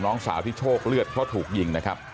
น้องสาวที่โชคเลือดเพราะถูกยิงนะครับ